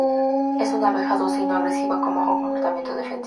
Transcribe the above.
Es una abeja dócil, no agresiva, con bajo comportamiento defensivo.